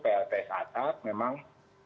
plts atap memang